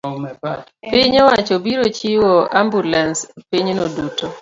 piny owacho biro chiwo ambulans e pinyno duto.